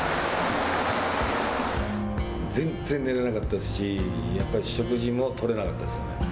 全然寝れなかったですしやっぱり食事もとれなかったですよね。